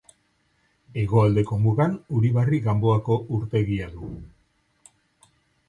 Hegoaldeko mugan, Uribarri Ganboako urtegia du.